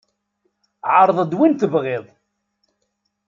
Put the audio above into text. Ɛreḍ-d win tebƔiḍ.